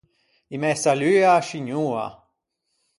I mæ salui a-a scignoa.